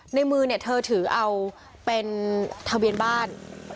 ในมือเนี่ยเธอถือเอาเป็นทะเบียนบ้าน